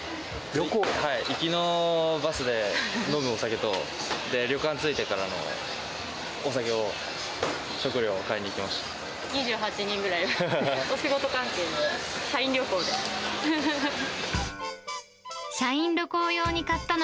行きのバスで飲むお酒と、旅館着いてからのお酒を、食料を買いに来ました。